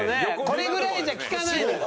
これぐらいじゃ効かないのよ。